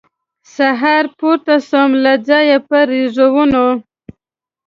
سهار پورته سوم له ځایه په رېزونو